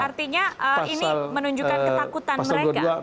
artinya ini menunjukkan ketakutan mereka